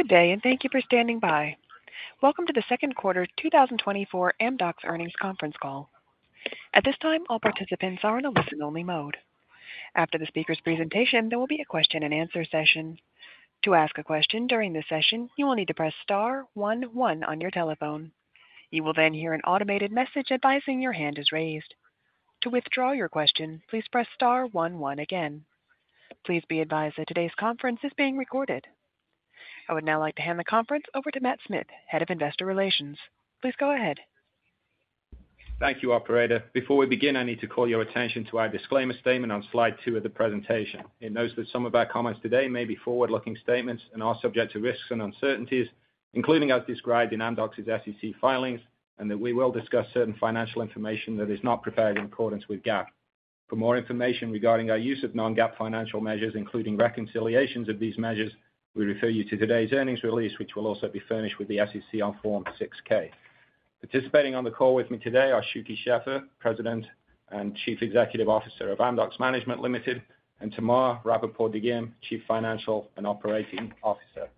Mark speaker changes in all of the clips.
Speaker 1: Good day, and thank you for standing by. Welcome to the Second Quarter 2024 Amdocs Earnings Conference Call. At this time, all participants are in a listen-only mode. After the speaker's presentation, there will be a question-and-answer session. To ask a question during this session, you will need to press star one one on your telephone. You will then hear an automated message advising your hand is raised. To withdraw your question, please press star one one again. Please be advised that today's conference is being recorded. I would now like to hand the conference over to Matt Smith, Head of Investor Relations. Please go ahead.
Speaker 2: Thank you, operator. Before we begin, I need to call your attention to our disclaimer statement on Slide two of the presentation. It notes that some of our comments today may be forward-looking statements and are subject to risks and uncertainties, including as described in Amdocs' SEC filings, and that we will discuss certain financial information that is not prepared in accordance with GAAP. For more information regarding our use of non-GAAP financial measures, including reconciliations of these measures, we refer you to today's earnings release, which will also be furnished with the SEC on Form 6-K. Participating on the call with me today are Shuky Sheffer, President and Chief Executive Officer of Amdocs Management Limited, and Tamar Rapaport-Dagim, Chief Financial and Operating Officer.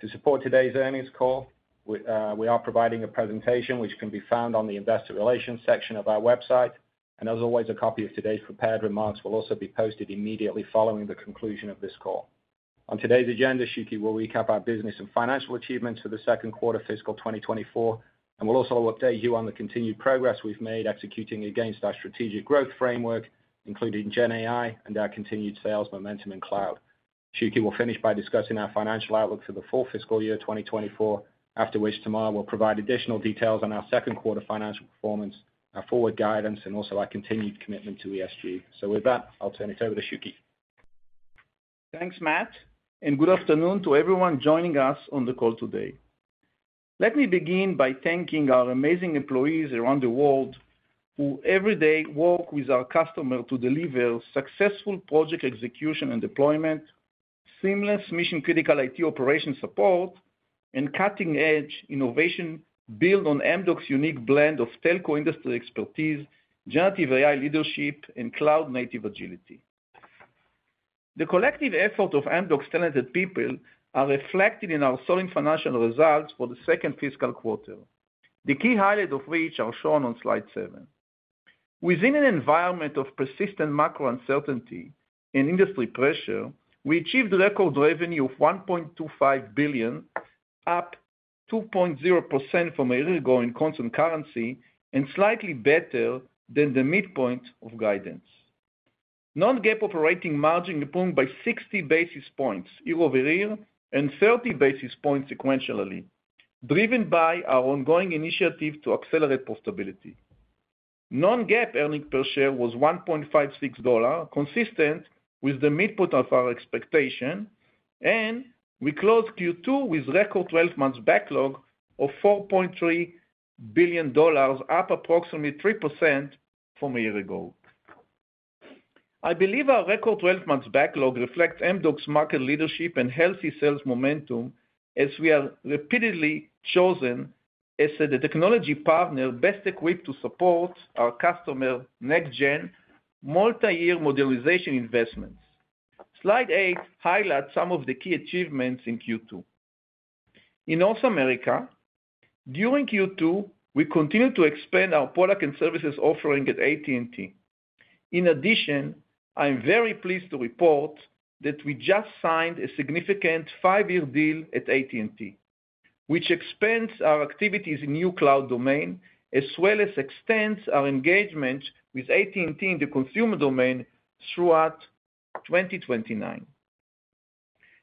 Speaker 2: To support today's earnings call, we are providing a presentation which can be found on the investor relations section of our website, and as always, a copy of today's prepared remarks will also be posted immediately following the conclusion of this call. On today's agenda, Shuky will recap our business and financial achievements for the second quarter fiscal 2024, and we'll also update you on the continued progress we've made executing against our strategic growth framework, including GenAI and our continued sales momentum in cloud. Shuky will finish by discussing our financial outlook for the full fiscal year 2024. After which, Tamar will provide additional details on our second quarter financial performance, our forward guidance, and also our continued commitment to ESG. So with that, I'll turn it over to Shuky.
Speaker 3: Thanks, Matt, and good afternoon to everyone joining us on the call today. Let me begin by thanking our amazing employees around the world, who every day work with our customer to deliver successful project execution and deployment, seamless mission-critical IT operation support, and cutting-edge innovation built on Amdocs' unique blend of telco industry expertise, generative AI leadership, and cloud-native agility. The collective effort of Amdocs' talented people are reflected in our solid financial results for the second fiscal quarter. The key highlights of which are shown on slide seven. Within an environment of persistent macro uncertainty and industry pressure, we achieved record revenue of $1.25 billion, up 2.0% from a year ago in constant currency and slightly better than the midpoint of guidance. Non-GAAP operating margin improved by 60 basis points year-over-year and 30 basis points sequentially, driven by our ongoing initiative to accelerate profitability. Non-GAAP earnings per share was $1.56, consistent with the midpoint of our expectation, and we closed Q2 with record 12 months backlog of $4.3 billion, up approximately 3% from a year ago. I believe our record 12 months backlog reflects Amdocs' market leadership and healthy sales momentum, as we are repeatedly chosen as the technology partner best equipped to support our customer next-gen, multi-year modernization investments. Slide 8 highlights some of the key achievements in Q2. In North America, during Q2, we continued to expand our product and services offering at AT&T. In addition, I'm very pleased to report that we just signed a significant five-year deal at AT&T, which expands our activities in new cloud domain, as well as extends our engagement with AT&T in the consumer domain throughout 2029.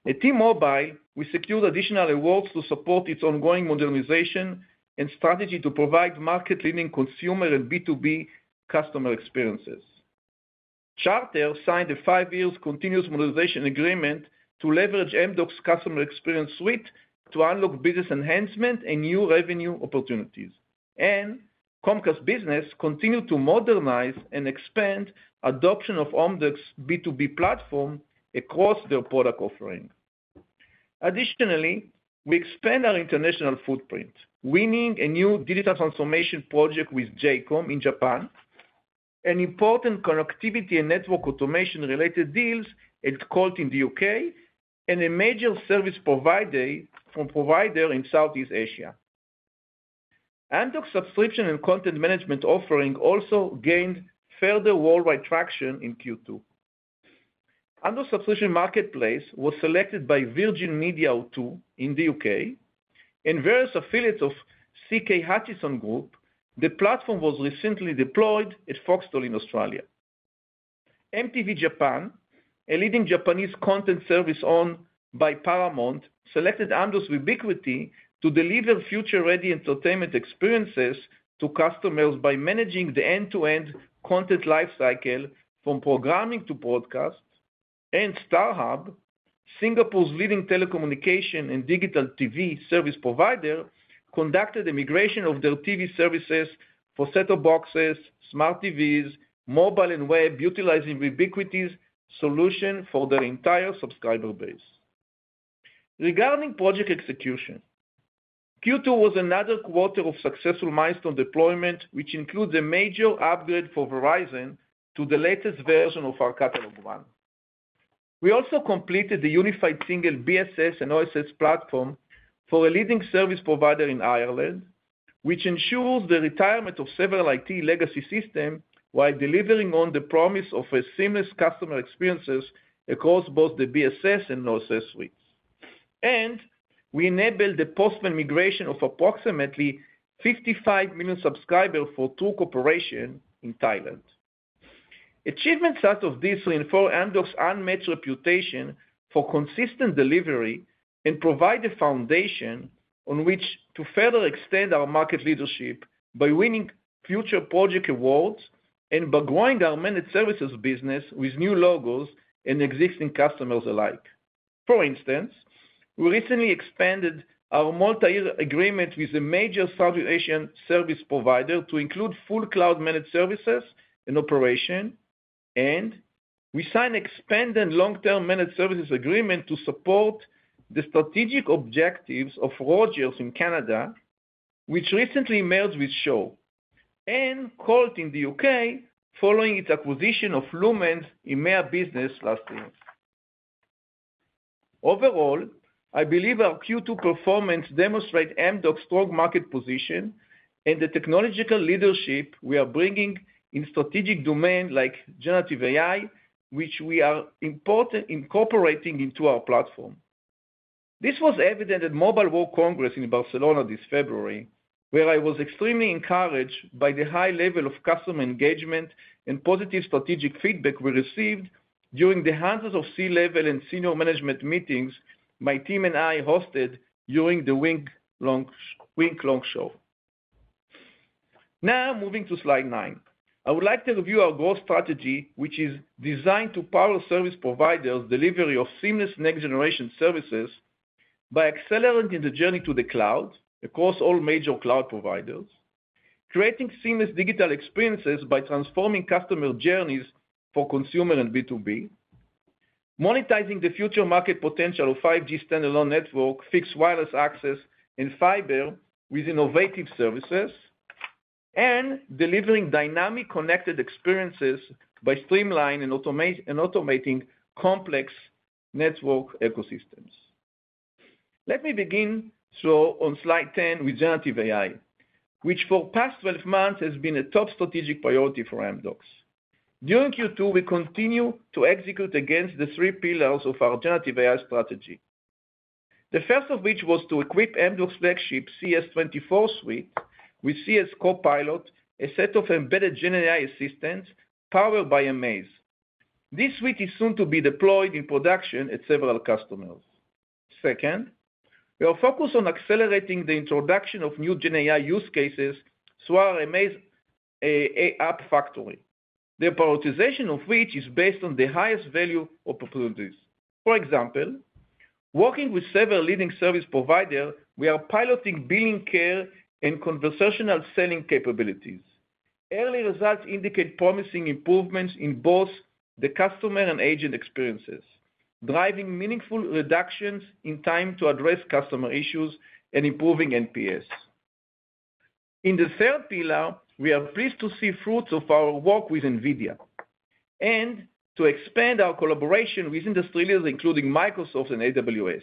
Speaker 3: At T-Mobile, we secured additional awards to support its ongoing modernization and strategy to provide market-leading consumer and B2B customer experiences. Charter signed a five-year continuous modernization agreement to leverage Amdocs' Customer Experience Suite to unlock business enhancement and new revenue opportunities. Comcast Business continued to modernize and expand adoption of Amdocs B2B platform across their product offering. Additionally, we expand our international footprint, winning a new digital transformation project with J:COM in Japan, an important connectivity and network automation-related deals at Colt in the U.K., and a major service provider, from provider in Southeast Asia. Amdocs' subscription and content management offering also gained further worldwide traction in Q2. Amdocs Subscription Marketplace was selected by Virgin Media O2 in the U.K. and various affiliates of CK Hutchison Group. The platform was recently deployed at Foxtel in Australia. MTV Japan, a leading Japanese content service owned by Paramount, selected Amdocs Vubiquity to deliver future-ready entertainment experiences to customers by managing the end-to-end content lifecycle, from programming to broadcast. And StarHub, Singapore's leading telecommunication and digital TV service provider, conducted a migration of their TV services for set-top boxes, smart TVs, mobile and web, utilizing Vubiquity's solution for their entire subscriber base. Regarding project execution... Q2 was another quarter of successful milestone deployment, which includes a major upgrade for Verizon to the latest version of our CatalogONE. We also completed the unified single BSS and OSS platform for a leading service provider in Ireland, which ensures the retirement of several IT legacy systems, while delivering on the promise of a seamless customer experience across both the BSS and OSS suites. We enabled the post-merger migration of approximately 55 million subscribers for True Corporation in Thailand. Achievements such as this reinforce Amdocs' unmatched reputation for consistent delivery, and provide a foundation on which to further extend our market leadership by winning future project awards, and by growing our managed services business with new logos and existing customers alike. For instance, we recently expanded our multi-year agreement with a major South Asian service provider to include full cloud managed services and operation, and we signed expanded long-term managed services agreement to support the strategic objectives of Rogers in Canada, which recently merged with Shaw, and Colt in the U.K., following its acquisition of Lumen's EMEA business last year. Overall, I believe our Q2 performance demonstrate Amdocs' strong market position and the technological leadership we are bringing in strategic domain like generative AI, which we are importantly incorporating into our platform. This was evident at Mobile World Congress in Barcelona this February, where I was extremely encouraged by the high level of customer engagement and positive strategic feedback we received during the hundreds of C-level and senior management meetings my team and I hosted during the week-long show. Now, moving to slide nine. I would like to review our growth strategy, which is designed to power service providers' delivery of seamless next-generation services by accelerating the journey to the cloud across all major cloud providers, creating seamless digital experiences by transforming customer journeys for consumer and B2B, monetizing the future market potential of 5G standalone network, fixed wireless access, and fiber with innovative services, and delivering dynamic connected experiences by streamlining and automating complex network ecosystems. Let me begin, so on Slide 10, with Generative AI, which for past 12 months has been a top strategic priority for Amdocs. During Q2, we continue to execute against the three pillars of our Generative AI strategy. The first of which was to equip Amdocs' flagship CES24 suite with CES Copilot, a set of embedded GenAI assistants powered by Amaze. This suite is soon to be deployed in production at several customers. Second, we are focused on accelerating the introduction of new GenAI use cases through our Amaze App Factory, the prioritization of which is based on the highest value opportunities. For example, working with several leading service provider, we are piloting billing, care, and conversational selling capabilities. Early results indicate promising improvements in both the customer and agent experiences, driving meaningful reductions in time to address customer issues and improving NPS. In the third pillar, we are pleased to see fruits of our work with NVIDIA, and to expand our collaboration with industry leaders, including Microsoft and AWS.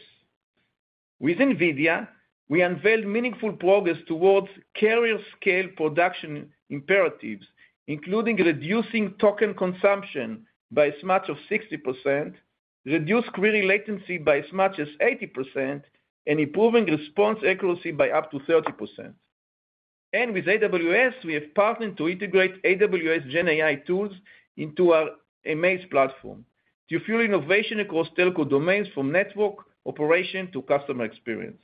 Speaker 3: With NVIDIA, we unveiled meaningful progress towards carrier-scale production imperatives, including reducing token consumption by as much as 60%, reducing query latency by as much as 80%, and improving response accuracy by up to 30%. And with AWS, we have partnered to integrate AWS GenAI tools into our Amaze platform to fuel innovation across telco domains, from network, operation, to customer experience.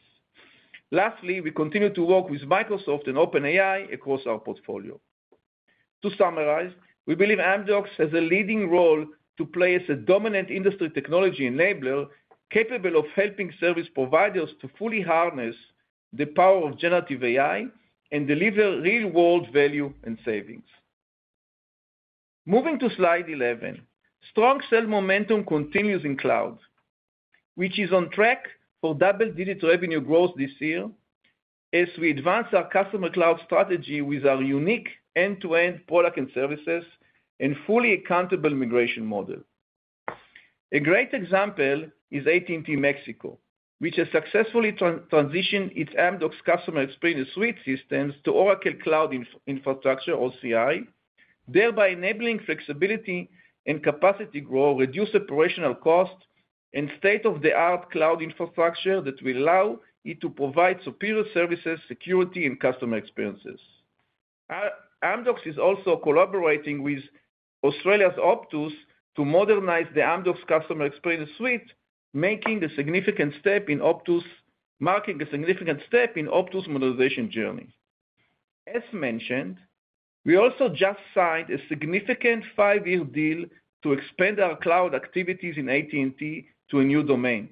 Speaker 3: Lastly, we continue to work with Microsoft and OpenAI across our portfolio. To summarize, we believe Amdocs has a leading role to play as a dominant industry technology enabler, capable of helping service providers to fully harness the power of generative AI and deliver real-world value and savings. Moving to Slide 11, strong sell momentum continues in cloud, which is on track for double-digit revenue growth this year, as we advance our customer cloud strategy with our unique end-to-end product and services and fully accountable migration model. A great example is AT&T Mexico, which has successfully transitioned its Amdocs Customer Experience Suite systems to Oracle Cloud Infrastructure, OCI, thereby enabling flexibility and capacity growth, reduced operational costs, and state-of-the-art cloud infrastructure that will allow it to provide superior services, security, and customer experiences. Amdocs is also collaborating with Australia's Optus to modernize the Amdocs Customer Experience Suite, marking a significant step in Optus' modernization journey. As mentioned, we also just signed a significant five-year deal to expand our cloud activities in AT&T to a new domain.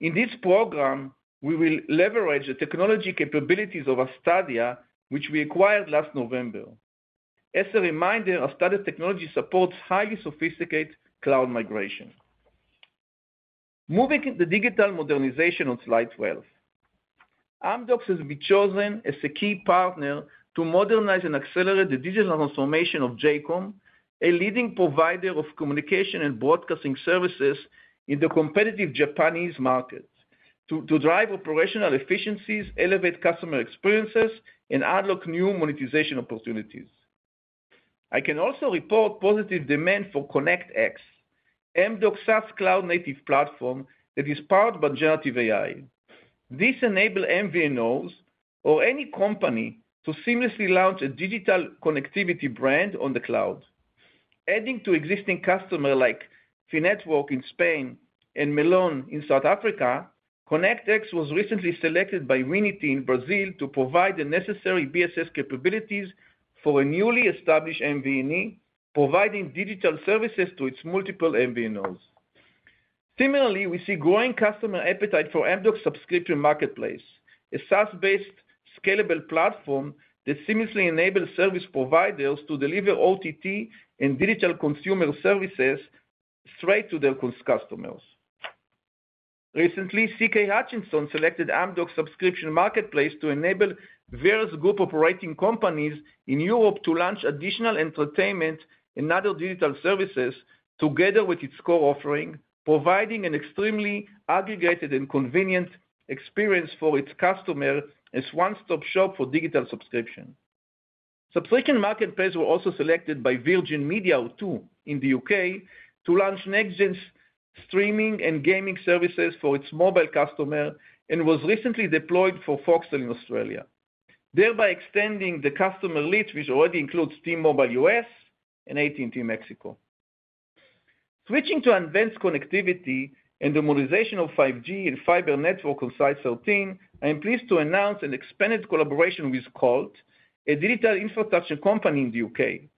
Speaker 3: In this program, we will leverage the technology capabilities of Astadia, which we acquired last November. As a reminder, Astadia technology supports highly sophisticated cloud migration. Moving into digital modernization on Slide 12. Amdocs has been chosen as a key partner to modernize and accelerate the digital transformation of J:COM, a leading provider of communication and broadcasting services in the competitive Japanese market, to drive operational efficiencies, elevate customer experiences, and unlock new monetization opportunities. I can also report positive demand for ConnectX, Amdocs' SaaS cloud-native platform that is powered by generative AI. This enable MVNOs or any company to seamlessly launch a digital connectivity brand on the cloud. Adding to existing customer like Finetwork in Spain and Melon Mobile in South Africa, ConnectX was recently selected by Winity in Brazil to provide the necessary BSS capabilities for a newly established MVNE, providing digital services to its multiple MVNOs. Similarly, we see growing customer appetite for Amdocs Subscription Marketplace, a SaaS-based scalable platform that seamlessly enables service providers to deliver OTT and digital consumer services straight to their customers. Recently, CK Hutchison selected Amdocs Subscription Marketplace to enable various group operating companies in Europe to launch additional entertainment and other digital services, together with its core offering, providing an extremely aggregated and convenient experience for its customer as one-stop shop for digital subscription. Subscription Marketplace were also selected by Virgin Media O2 in the U.K., to launch next-gen streaming and gaming services for its mobile customer, and was recently deployed for Foxtel in Australia, thereby extending the customer reach, which already includes T-Mobile U.S. and AT&T Mexico. Switching to advanced connectivity and the modernization of 5G and fiber network on Slide 13, I am pleased to announce an expanded collaboration with Colt, a digital infrastructure company in the U.K..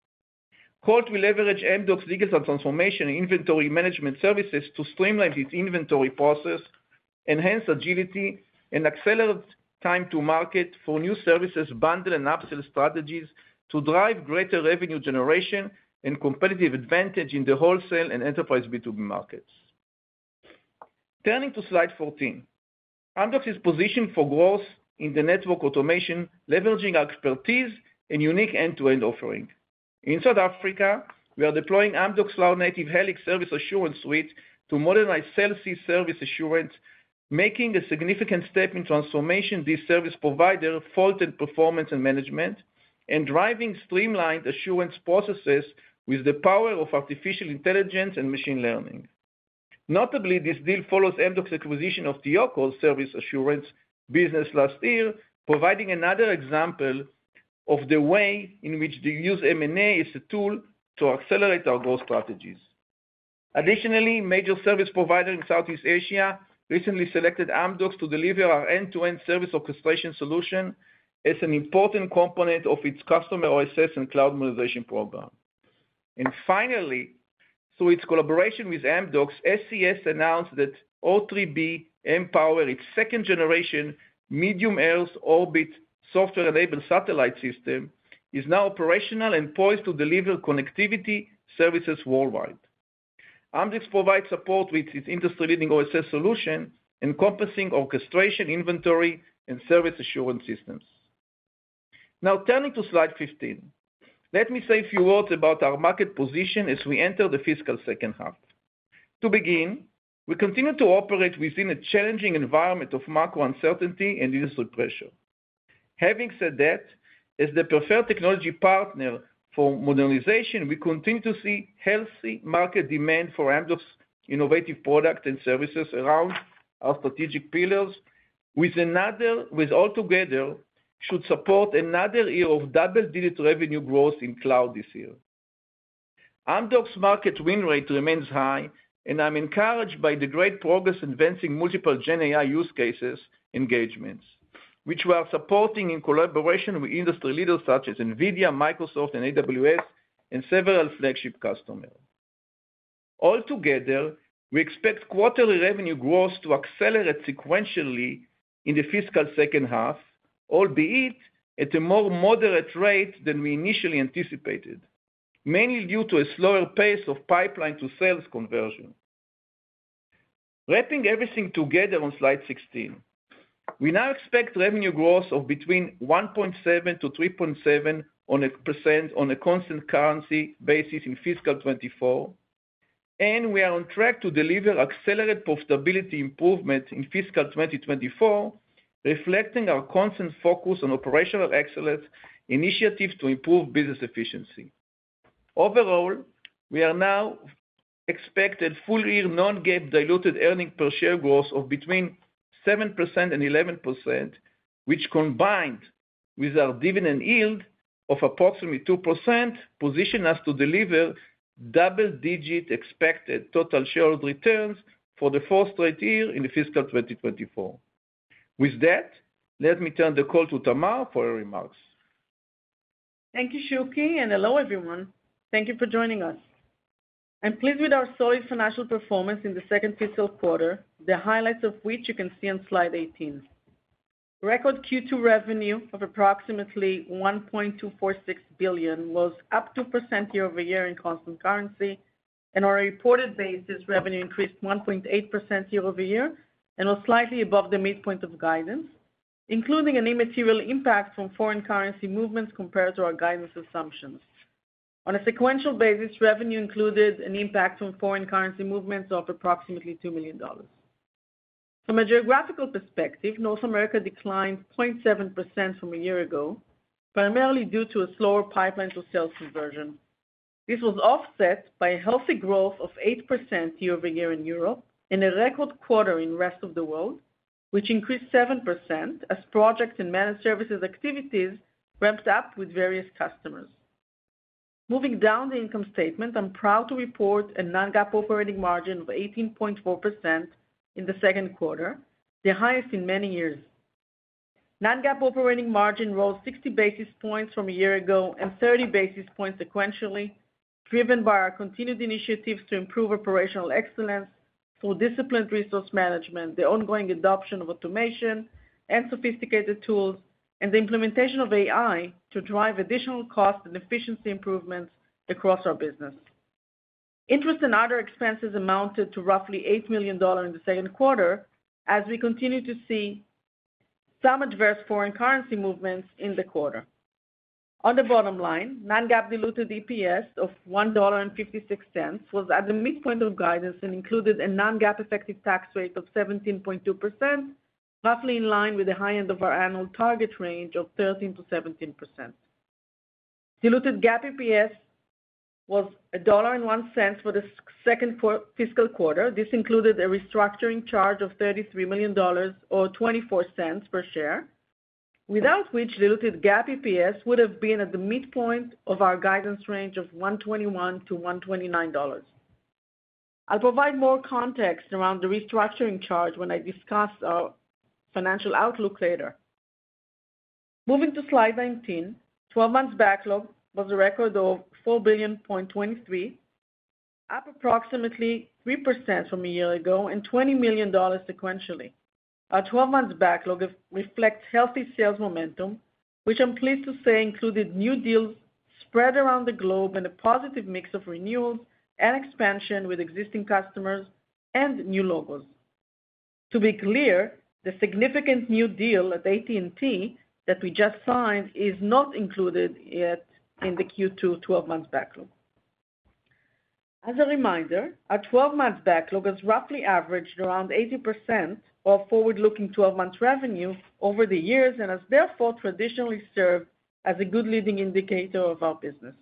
Speaker 3: Colt will leverage Amdocs' digital transformation and inventory management services to streamline its inventory process, enhance agility, and accelerate time to market for new services, bundle, and upsell strategies to drive greater revenue generation and competitive advantage in the wholesale and enterprise B2B markets. Turning to Slide 14. Amdocs is positioned for growth in the network automation, leveraging expertise and unique end-to-end offering. In South Africa, we are deploying Amdocs cloud-native Helix Service Assurance Suite to modernize Cell C service assurance, making a significant step in transformation of this service provider's fault and performance management, and driving streamlined assurance processes with the power of artificial intelligence and machine learning. Notably, this deal follows Amdocs' acquisition of TEOCO service assurance business last year, providing another example of the way in which we use M&A as a tool to accelerate our growth strategies. Additionally, major service provider in Southeast Asia recently selected Amdocs to deliver our end-to-end service orchestration solution as an important component of its customer OSS and cloud modernization program. And finally, through its collaboration with Amdocs, SES announced that O3b mPOWER, its second-generation medium Earth orbit software-enabled satellite system, is now operational and poised to deliver connectivity services worldwide. Amdocs provides support with its industry-leading OSS solution, encompassing orchestration, inventory, and service assurance systems. Now, turning to slide 15. Let me say a few words about our market position as we enter the fiscal second half. To begin, we continue to operate within a challenging environment of macro uncertainty and industry pressure. Having said that, as the preferred technology partner for modernization, we continue to see healthy market demand for Amdocs' innovative products and services around our strategic pillars, with altogether should support another year of double-digit revenue growth in cloud this year. Amdocs' market win rate remains high, and I'm encouraged by the great progress in advancing multiple GenAI use cases engagements, which we are supporting in collaboration with industry leaders such as NVIDIA, Microsoft, and AWS, and several flagship customers. Altogether, we expect quarterly revenue growth to accelerate sequentially in the fiscal second half, albeit at a more moderate rate than we initially anticipated, mainly due to a slower pace of pipeline to sales conversion. Wrapping everything together on Slide 16, we now expect revenue growth of between 1.7%-3.7% on a constant currency basis in fiscal 2024, and we are on track to deliver accelerated profitability improvement in fiscal 2024, reflecting our constant focus on operational excellence initiatives to improve business efficiency. Overall, we are now expected full-year non-GAAP diluted earnings per share growth of between 7% and 11%, which combined with our dividend yield of approximately 2%, position us to deliver double-digit expected total shareholder returns for the fourth straight year in the fiscal 2024. With that, let me turn the call to Tamar for her remarks.
Speaker 4: Thank you, Shuky, and hello, everyone. Thank you for joining us. I'm pleased with our solid financial performance in the second fiscal quarter, the highlights of which you can see on Slide 18. Record Q2 revenue of approximately $1.246 billion was up 2% year-over-year in constant currency, and on a reported basis, revenue increased 1.8% year-over-year and was slightly above the midpoint of guidance, including an immaterial impact from foreign currency movements compared to our guidance assumptions. On a sequential basis, revenue included an impact from foreign currency movements of approximately $2 million. From a geographical perspective, North America declined 0.7% from a year ago, primarily due to a slower pipeline to sales conversion. This was offset by a healthy growth of 8% year-over-year in Europe, and a record quarter in Rest of the World, which increased 7% as projects and managed services activities ramped up with various customers. Moving down the income statement, I'm proud to report a non-GAAP operating margin of 18.4% in the second quarter, the highest in many years. Non-GAAP operating margin rose 60 basis points from a year ago and 30 basis points sequentially, driven by our continued initiatives to improve operational excellence through disciplined resource management, the ongoing adoption of automation and sophisticated tools, and the implementation of AI to drive additional cost and efficiency improvements across our business. Interest and other expenses amounted to roughly $8 million in the second quarter, as we continued to see some adverse foreign currency movements in the quarter. On the bottom line, non-GAAP diluted EPS of $1.56 was at the midpoint of guidance and included a non-GAAP effective tax rate of 17.2%, roughly in line with the high end of our annual target range of 13%-17%. Diluted GAAP EPS was $1.01 for the second fiscal quarter. This included a restructuring charge of $33 million or $0.24 per share, without which diluted GAAP EPS would have been at the midpoint of our guidance range of $1.21-$1.29. I'll provide more context around the restructuring charge when I discuss our financial outlook later. Moving to Slide 19, 12 months backlog was a record of $4.023 billion, up approximately 3% from a year ago and $20 million sequentially. Our 12-month backlog reflects healthy sales momentum, which I'm pleased to say included new deals spread around the globe and a positive mix of renewals and expansion with existing customers and new logos. To be clear, the significant new deal at AT&T that we just signed is not included yet in the Q2 12-month backlog. As a reminder, our 12-month backlog has roughly averaged around 80% of forward-looking 12-month revenue over the years and has therefore traditionally served as a good leading indicator of our business.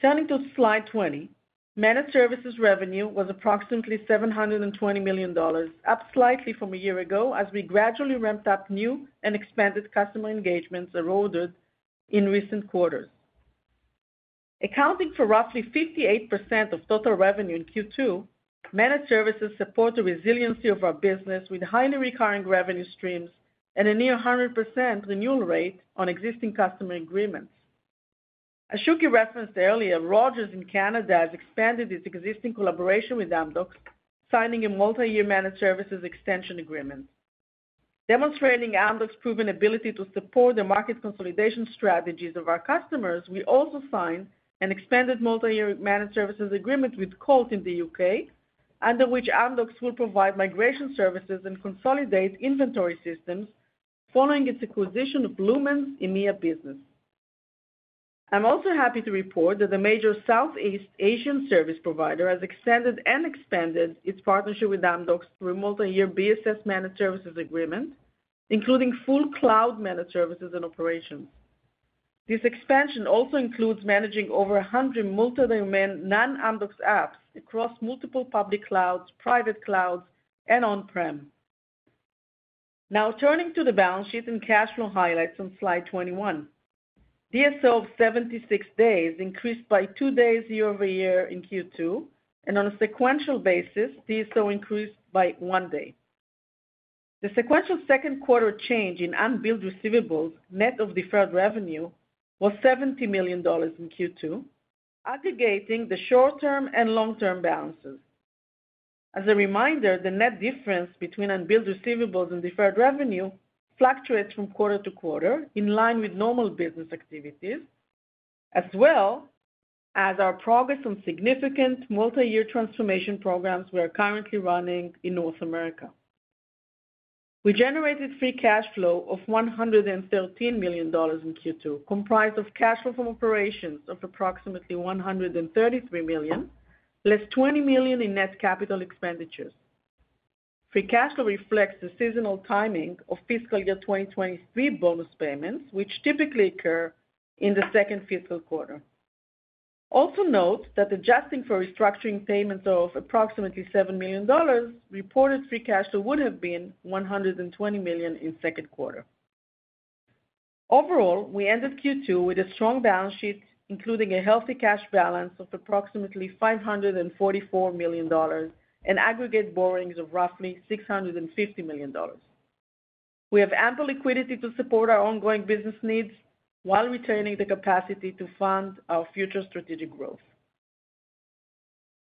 Speaker 4: Turning to Slide 20, managed services revenue was approximately $720 million, up slightly from a year ago as we gradually ramped up new and expanded customer engagements that ordered in recent quarters. Accounting for roughly 58% of total revenue in Q2, managed services support the resiliency of our business with highly recurring revenue streams and a near 100% renewal rate on existing customer agreements. As Shuky referenced earlier, Rogers in Canada has expanded its existing collaboration with Amdocs, signing a multi-year managed services extension agreement. Demonstrating Amdocs' proven ability to support the market consolidation strategies of our customers, we also signed an expanded multi-year managed services agreement with Colt in the U.K., under which Amdocs will provide migration services and consolidate inventory systems following its acquisition of Lumen's EMEA business. I'm also happy to report that the major Southeast Asian service provider has extended and expanded its partnership with Amdocs through a multi-year BSS managed services agreement, including full cloud-managed services and operations. This expansion also includes managing over 100 multi-domain non-Amdocs apps across multiple public clouds, private clouds, and on-prem. Now, turning to the balance sheet and cash flow highlights on slide 21. DSO of 76 days increased by two days year-over-year in Q2, and on a sequential basis, DSO increased by one day. The sequential second quarter change in unbilled receivables, net of deferred revenue, was $70 million in Q2, aggregating the short-term and long-term balances. As a reminder, the net difference between unbilled receivables and deferred revenue fluctuates from quarter to quarter, in line with normal business activities, as well as our progress on significant multi-year transformation programs we are currently running in North America. We generated free cash flow of $113 million in Q2, comprised of cash flow from operations of approximately $133 million, less $20 million in net capital expenditures. Free cash flow reflects the seasonal timing of fiscal year 2023 bonus payments, which typically occur in the second fiscal quarter. Also note that adjusting for restructuring payments of approximately $7 million, reported free cash flow would have been $120 million in second quarter. Overall, we ended Q2 with a strong balance sheet, including a healthy cash balance of approximately $544 million and aggregate borrowings of roughly $650 million. We have ample liquidity to support our ongoing business needs while retaining the capacity to fund our future strategic growth....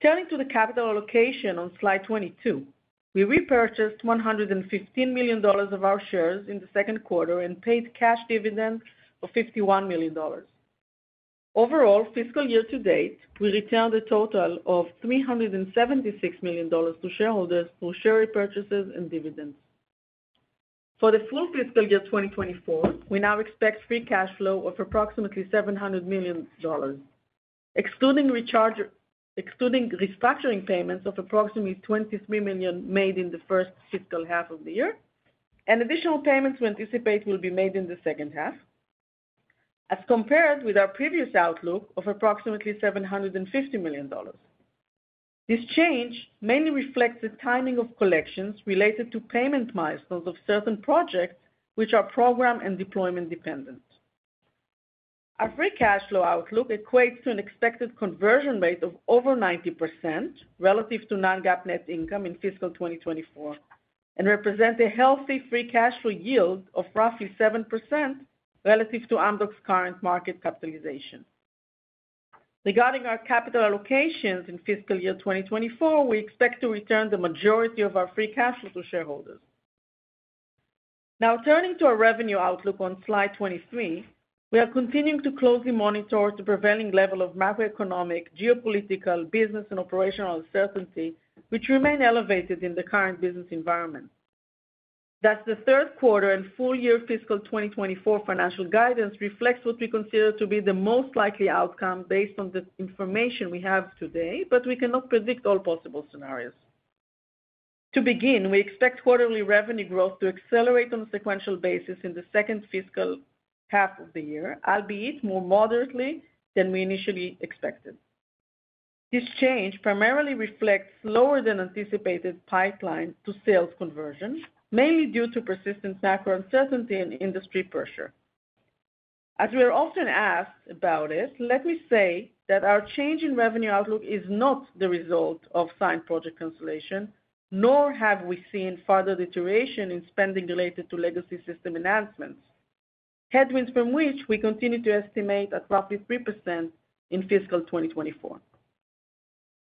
Speaker 4: Turning to the capital allocation on Slide 22, we repurchased $115 million of our shares in the second quarter and paid cash dividends of $51 million. Overall, fiscal year to date, we returned a total of $376 million to shareholders through share repurchases and dividends. For the full fiscal year 2024, we now expect free cash flow of approximately $700 million, excluding restructuring payments of approximately $23 million made in the first fiscal half of the year, and additional payments we anticipate will be made in the second half, as compared with our previous outlook of approximately $750 million. This change mainly reflects the timing of collections related to payment milestones of certain projects, which are program and deployment-dependent. Our free cash flow outlook equates to an expected conversion rate of over 90% relative to non-GAAP net income in fiscal 2024, and represents a healthy free cash flow yield of roughly 7% relative to Amdocs' current market capitalization. Regarding our capital allocations in fiscal year 2024, we expect to return the majority of our free cash flow to shareholders. Now, turning to our revenue outlook on Slide 23, we are continuing to closely monitor the prevailing level of macroeconomic, geopolitical, business, and operational uncertainty, which remain elevated in the current business environment. Thus, the third quarter and full-year fiscal 2024 financial guidance reflects what we consider to be the most likely outcome based on the information we have today, but we cannot predict all possible scenarios. To begin, we expect quarterly revenue growth to accelerate on a sequential basis in the second fiscal half of the year, albeit more moderately than we initially expected. This change primarily reflects slower than anticipated pipeline to sales conversion, mainly due to persistent macro uncertainty and industry pressure. As we are often asked about it, let me say that our change in revenue outlook is not the result of signed project cancellation, nor have we seen further deterioration in spending related to legacy system enhancements, headwinds from which we continue to estimate at roughly 3% in fiscal 2024.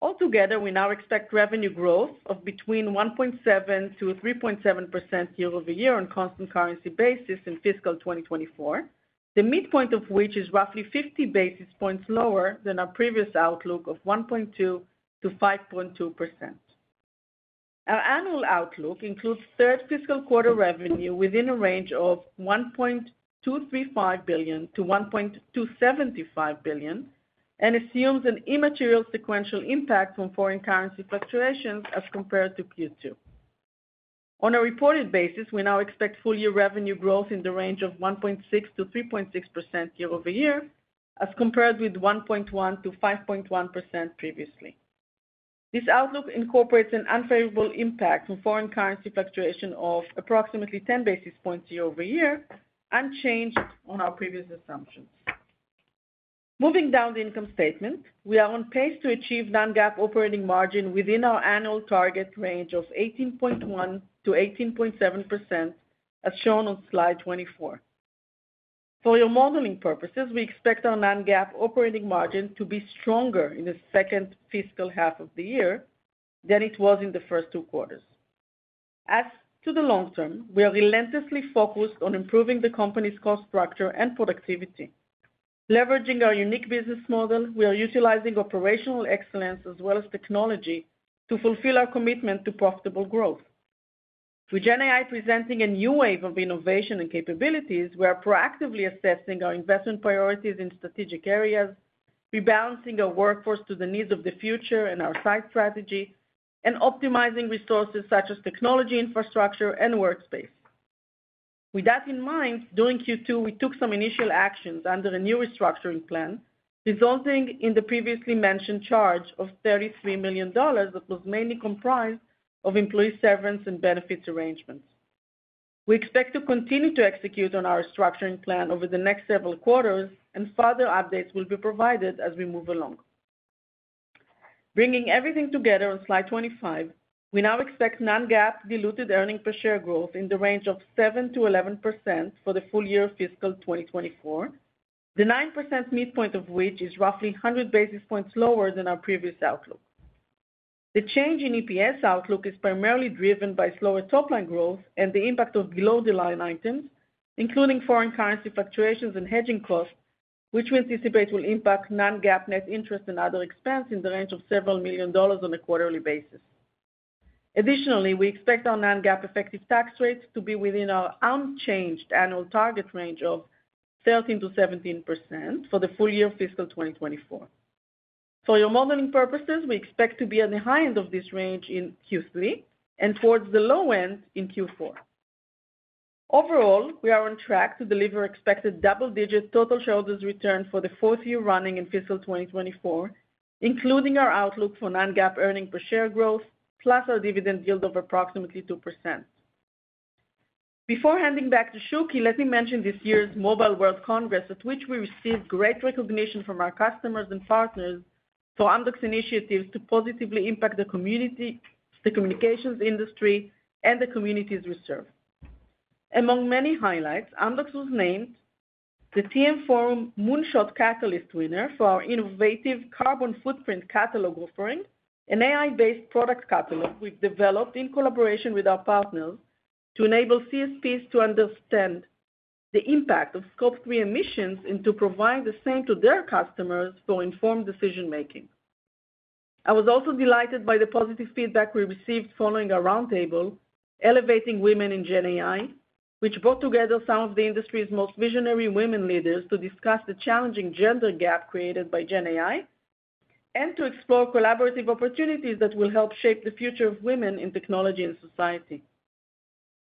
Speaker 4: Altogether, we now expect revenue growth of between 1.7%-3.7% year-over-year on constant currency basis in fiscal 2024, the midpoint of which is roughly 50 basis points lower than our previous outlook of 1.2%-5.2%. Our annual outlook includes third fiscal quarter revenue within a range of $1.235 billion-$1.275 billion, and assumes an immaterial sequential impact from foreign currency fluctuations as compared to Q2. On a reported basis, we now expect full-year revenue growth in the range of 1.6%-3.6% year-over-year, as compared with 1.1%-5.1% previously. This outlook incorporates an unfavorable impact from foreign currency fluctuation of approximately 10 basis points year-over-year, unchanged on our previous assumptions. Moving down the income statement, we are on pace to achieve non-GAAP operating margin within our annual target range of 18.1%-18.7%, as shown on Slide 24. For your modeling purposes, we expect our non-GAAP operating margin to be stronger in the second fiscal half of the year than it was in the first two quarters. As to the long term, we are relentlessly focused on improving the company's cost structure and productivity. Leveraging our unique business model, we are utilizing operational excellence as well as technology to fulfill our commitment to profitable growth. With GenAI presenting a new wave of innovation and capabilities, we are proactively assessing our investment priorities in strategic areas, rebalancing our workforce to the needs of the future and our site strategy, and optimizing resources such as technology, infrastructure, and workspace. With that in mind, during Q2, we took some initial actions under a new restructuring plan, resulting in the previously mentioned charge of $33 million that was mainly comprised of employee severance and benefits arrangements. We expect to continue to execute on our restructuring plan over the next several quarters, and further updates will be provided as we move along. Bringing everything together on Slide 25, we now expect non-GAAP diluted earnings per share growth in the range of 7%-11% for the full year of fiscal 2024. The 9% midpoint of which is roughly 100 basis points lower than our previous outlook. The change in EPS outlook is primarily driven by slower top-line growth and the impact of below-the-line items, including foreign currency fluctuations and hedging costs, which we anticipate will impact non-GAAP net interest and other expense in the range of $several million on a quarterly basis. Additionally, we expect our non-GAAP effective tax rates to be within our unchanged annual target range of 13%-17% for the full year of fiscal 2024. For your modeling purposes, we expect to be at the high end of this range in Q3 and towards the low end in Q4. Overall, we are on track to deliver expected double-digit total shareholders return for the fourth year running in fiscal 2024, including our outlook for non-GAAP earnings per share growth, plus our dividend yield of approximately 2%. Before handing back to Shuky, let me mention this year's Mobile World Congress, at which we received great recognition from our customers and partners for Amdocs' initiatives to positively impact the community, the communications industry, and the communities we serve.... Among many highlights, Amdocs was named the TM Forum Moonshot Catalyst winner for our innovative carbon footprint catalog offering, an AI-based product catalog we've developed in collaboration with our partners, to enable CSPs to understand the impact of Scope 3 emissions, and to provide the same to their customers for informed decision-making. I was also delighted by the positive feedback we received following a roundtable, Elevating Women in Gen AI, which brought together some of the industry's most visionary women leaders to discuss the challenging gender gap created by Gen AI, and to explore collaborative opportunities that will help shape the future of women in technology and society.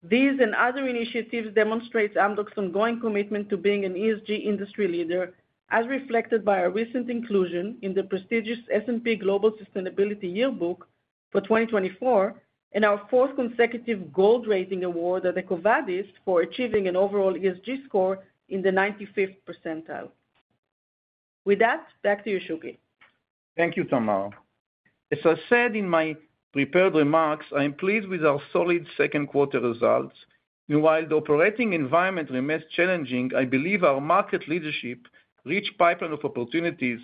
Speaker 4: These and other initiatives demonstrate Amdocs' ongoing commitment to being an ESG industry leader, as reflected by our recent inclusion in the prestigious S&P Global Sustainability Yearbook for 2024, and our fourth consecutive Gold Rating award at EcoVadis for achieving an overall ESG score in the 95th percentile. With that, back to you, Shuky.
Speaker 3: Thank you, Tamar. As I said in my prepared remarks, I am pleased with our solid second quarter results. While the operating environment remains challenging, I believe our market leadership, rich pipeline of opportunities,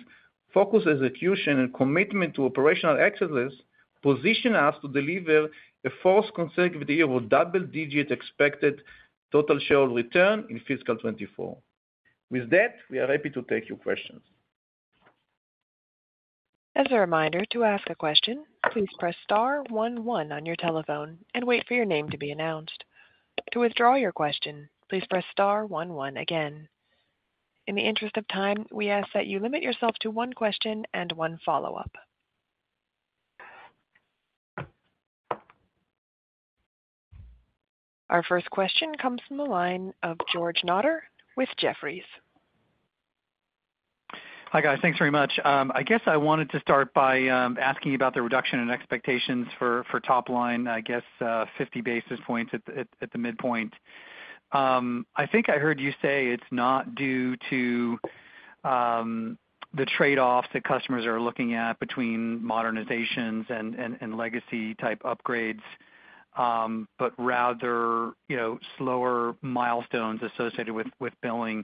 Speaker 3: focus, execution, and commitment to operational excellence, position us to deliver a fourth consecutive year of double-digit expected total share return in fiscal 2024. With that, we are happy to take your questions.
Speaker 1: As a reminder, to ask a question, please press star one one on your telephone and wait for your name to be announced. To withdraw your question, please press star one one again. In the interest of time, we ask that you limit yourself to one question and one follow-up. Our first question comes from the line of George Notter with Jefferies.
Speaker 5: Hi, guys. Thanks very much. I guess I wanted to start by asking you about the reduction in expectations for top line, I guess, 50 basis points at the midpoint. I think I heard you say it's not due to the trade-offs that customers are looking at between modernizations and legacy-type upgrades, but rather, you know, slower milestones associated with billing.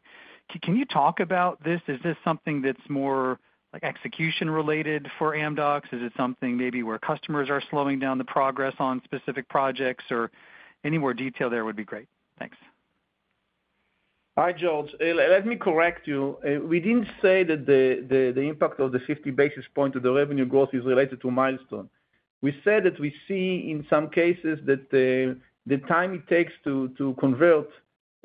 Speaker 5: Can you talk about this? Is this something that's more like execution-related for Amdocs? Is it something maybe where customers are slowing down the progress on specific projects? Or any more detail there would be great. Thanks.
Speaker 3: Hi, George. Let me correct you. We didn't say that the impact of the 50 basis points to the revenue growth is related to milestone. We said that we see, in some cases, that the time it takes to convert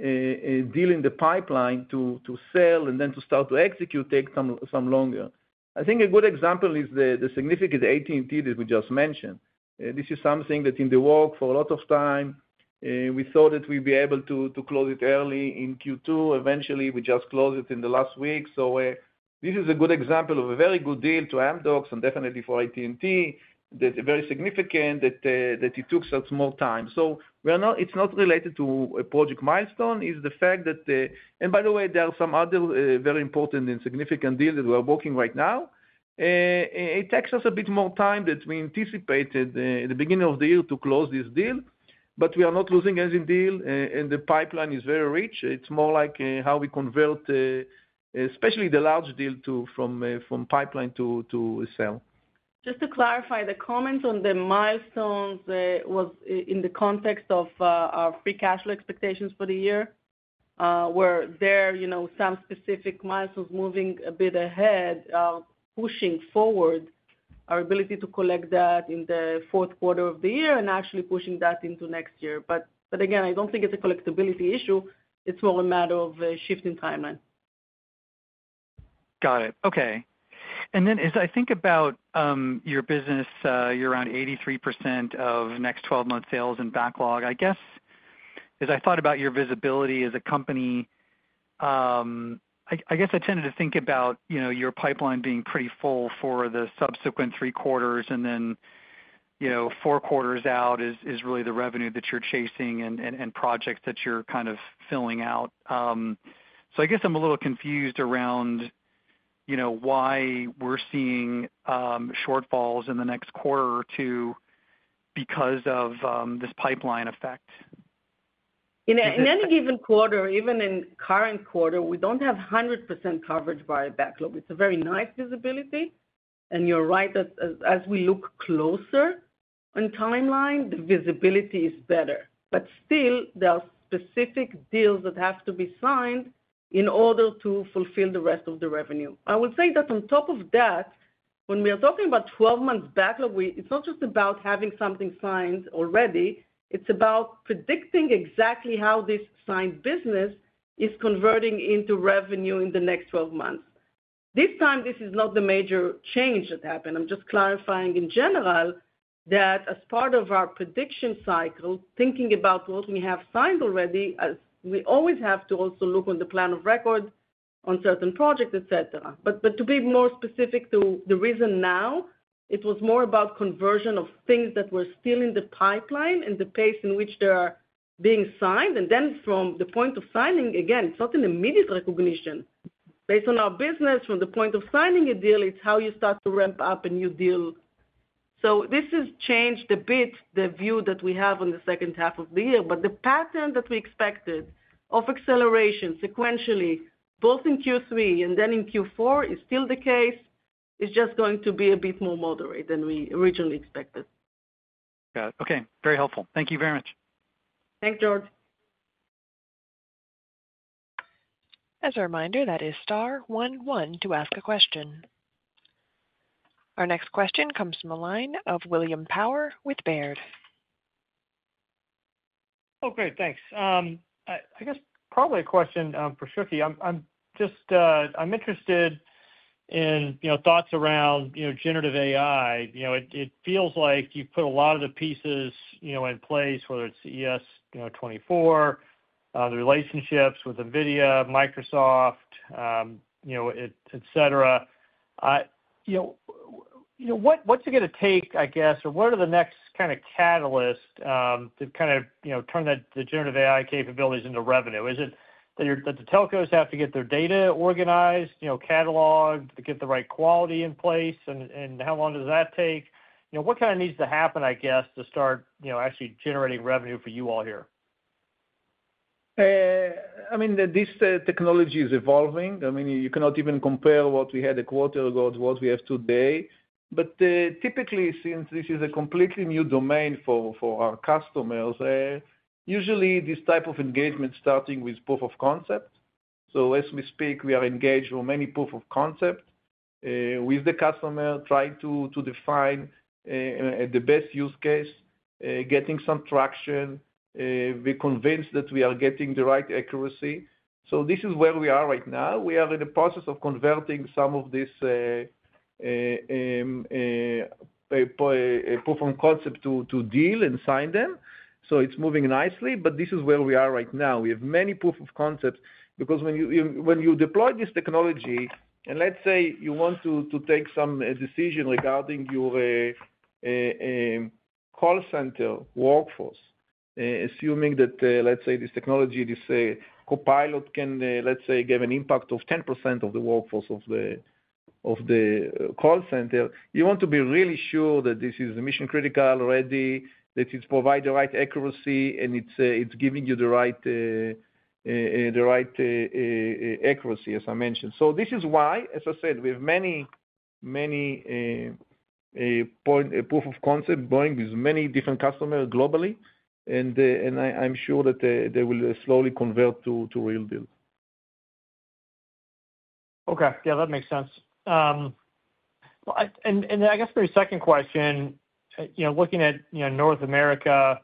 Speaker 3: a deal in the pipeline to sell and then to start to execute takes some longer. I think a good example is the significant AT&T that we just mentioned. This is something that in the works for a lot of time. We thought that we'd be able to close it early in Q2. Eventually, we just closed it in the last week. So, this is a good example of a very good deal to Amdocs and definitely for AT&T, that's very significant, that it took us more time. We are not. It's not related to a project milestone. It's the fact that. By the way, there are some other very important and significant deals that we are working on right now. It takes us a bit more time than we anticipated in the beginning of the year to close this deal, but we are not losing any deal, and the pipeline is very rich. It's more like how we convert, especially the large deal from pipeline to sales.
Speaker 4: Just to clarify, the comments on the milestones was in the context of our free cash flow expectations for the year, where there, you know, some specific milestones moving a bit ahead, pushing forward our ability to collect that in the fourth quarter of the year and actually pushing that into next year. But, but again, I don't think it's a collectibility issue, it's more a matter of a shift in timeline.
Speaker 5: Got it. Okay. And then as I think about your business, you're around 83% of next 12-month sales and backlog, I guess, as I thought about your visibility as a company, I guess I tended to think about, you know, your pipeline being pretty full for the subsequent three quarters, and then, you know, four quarters out is really the revenue that you're chasing and projects that you're kind of filling out. So I guess I'm a little confused around, you know, why we're seeing shortfalls in the next quarter or two because of this pipeline effect.
Speaker 4: In a-
Speaker 5: Does this-
Speaker 4: In any given quarter, even in current quarter, we don't have 100% coverage by backlog. It's a very nice visibility, and you're right that as we look closer in timeline, the visibility is better. But still, there are specific deals that have to be signed in order to fulfill the rest of the revenue. I would say that on top of that, when we are talking about 12 months backlog, we, it's not just about having something signed already. It's about predicting exactly how this signed business is converting into revenue in the next 12 months. This time, this is not the major change that happened. I'm just clarifying in general, that as part of our prediction cycle, thinking about what we have signed already, as we always have to also look on the plan of record on certain projects, et cetera. But, but to be more specific to the reason now, it was more about conversion of things that were still in the pipeline and the pace in which they are being signed. And then from the point of signing, again, it's not an immediate recognition. Based on our business, from the point of signing a deal, it's how you start to ramp up a new deal-... So this has changed a bit, the view that we have on the second half of the year, but the pattern that we expected of acceleration sequentially, both in Q3 and then in Q4, is still the case. It's just going to be a bit more moderate than we originally expected.
Speaker 5: Got it. Okay. Very helpful. Thank you very much.
Speaker 4: Thanks, George.
Speaker 1: As a reminder, that is star one one to ask a question. Our next question comes from the line of William Power with Baird.
Speaker 6: Oh, great. Thanks. I guess probably a question for Shuky. I'm just interested in, you know, thoughts around, you know, generative AI. You know, it feels like you've put a lot of the pieces, you know, in place, whether it's CES 24, the relationships with NVIDIA, Microsoft, you know, etc., etc. You know, what, what's it gonna take, I guess, or what are the next kinda catalyst to kind of, you know, turn that, the generative AI capabilities into revenue? Is it that the telcos have to get their data organized, you know, cataloged, to get the right quality in place? And how long does that take? You know, what kinda needs to happen, I guess, to start, you know, actually generating revenue for you all here?
Speaker 3: I mean, this technology is evolving. I mean, you cannot even compare what we had a quarter ago to what we have today. But typically, since this is a completely new domain for our customers, usually this type of engagement starting with proof of concept. So as we speak, we are engaged with many proof of concept with the customer, trying to define the best use case, getting some traction, we're convinced that we are getting the right accuracy. So this is where we are right now. We are in the process of converting some of this proof of concept to deal and sign them. So it's moving nicely, but this is where we are right now. We have many proof of concepts, because when you deploy this technology, and let's say you want to take some decision regarding your call center workforce, assuming that, let's say, this technology, this copilot can, let's say, give an impact of 10% of the workforce of the call center, you want to be really sure that this is mission-critical already, that it provide the right accuracy, and it's giving you the right accuracy, as I mentioned. So this is why, as I said, we have many, many proof of concept going with many different customers globally, and I, I'm sure that they will slowly convert to real deal.
Speaker 6: Okay. Yeah, that makes sense. Well, I guess for a second question, you know, looking at North America,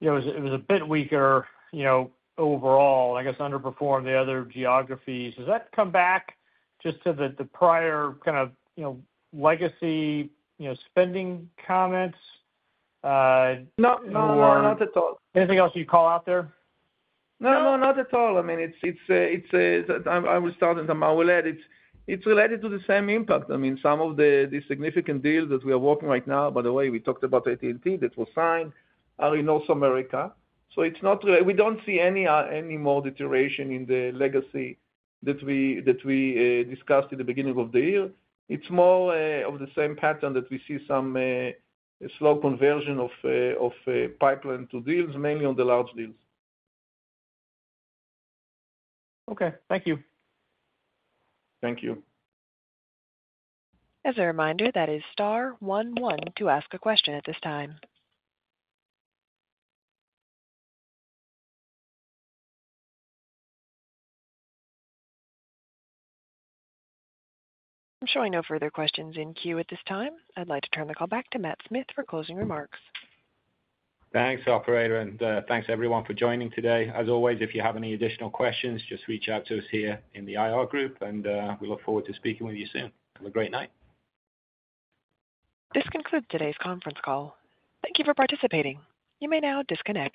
Speaker 6: you know, it was a bit weaker, you know, overall, I guess, underperformed the other geographies. Does that come back just to the prior kind of, you know, legacy spending comments?
Speaker 3: No, no, not at all.
Speaker 6: Anything else you call out there?
Speaker 3: No, no, not at all. I mean, I will start and then Tamar will add. It's related to the same impact. I mean, some of the significant deals that we are working right now, by the way, we talked about AT&T, that was signed, are in North America. So it's not, we don't see any more deterioration in the legacy that we discussed in the beginning of the year. It's more of the same pattern that we see some slow conversion of pipeline to deals, mainly on the large deals.
Speaker 6: Okay, thank you.
Speaker 3: Thank you.
Speaker 1: As a reminder, that is star one one to ask a question at this time. I'm showing no further questions in queue at this time. I'd like to turn the call back to Matt Smith for closing remarks.
Speaker 2: Thanks, operator, and thanks everyone for joining today. As always, if you have any additional questions, just reach out to us here in the IR group, and we look forward to speaking with you soon. Have a great night.
Speaker 1: This concludes today's conference call. Thank you for participating. You may now disconnect.